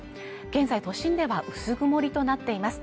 現在都心では薄曇りとなっています